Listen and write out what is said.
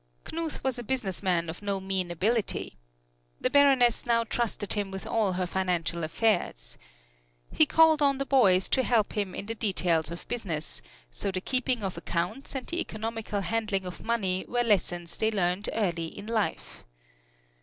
Knuth was a businessman of no mean ability. The Baroness now trusted him with all her financial affairs. He called on the boys to help him in the details of business, so the keeping of accounts and the economical handling of money were lessons they learned early in life.